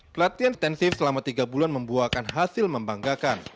pelatihan intensif selama tiga bulan membuahkan hasil membanggakan